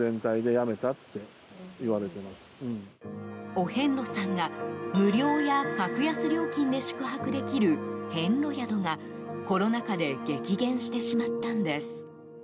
お遍路さんが、無料や格安料金で宿泊できる遍路宿がコロナ禍で激減してしまったんです。